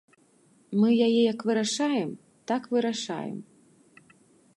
Мы яе як вырашаем, так вырашаем.